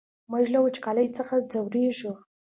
موږ له وچکالۍ څخه ځوريږو!